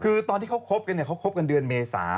คือตอนที่เขาคบกันเนี่ยเขาคบกันเดือนเมษา